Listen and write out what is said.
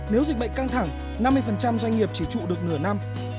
nếu dịch bệnh căng thẳng năm mươi doanh nghiệp chỉ trụ được nửa năm